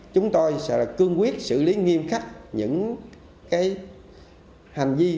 chúng tôi sẽ cương quyết xử lý nghiêm khắc những hành vi